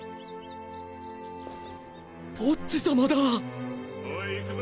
ボッジ様だ！おい行くぞ。